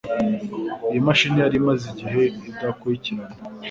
Iyi mashini yari imaze igihe idakurikirana.